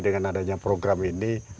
dengan adanya program ini